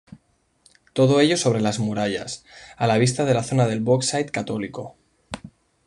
Todo ello sobre las murallas, a la vista de la zona del Bogside católico.